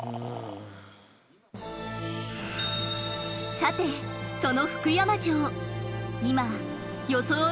さてその福山城今装い